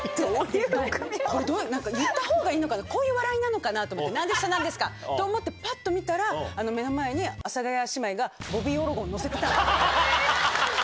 なんか、言ったほうがいいのかな、こういう笑いなのかなって思って、なんで下なんですか！と思って、ぱっと見たら、目の前に、阿佐ヶ谷姉妹が、ボビー・オロゴン乗せてたんです。